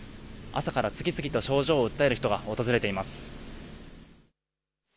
朝から次々と症状を訴える人が訪れています。